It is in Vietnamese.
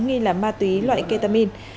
nghi là ma túy loại ketamin